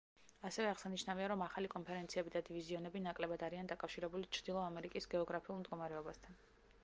ასევე აღსანიშნავია რომ ახალი კონფერენციები და დივიზიონები ნაკლებად არიან დაკავშირებული ჩრდილო ამერიკის გეოგრაფიულ მდგომარეობასთან.